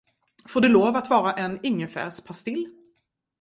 Får det lov att vara en ingefärspastill?